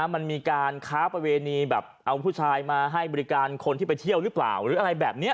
มันมีการค้าประเวณีแบบเอาผู้ชายมาให้บริการคนที่ไปเที่ยวหรือเปล่าหรืออะไรแบบนี้